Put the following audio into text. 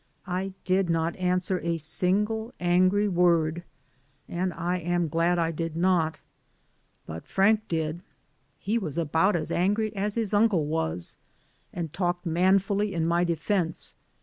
I did not answer a single angry word, and I am glad I did not. But Frank did ; he was about as angry as his uncle was, and talked manfully in my de fense.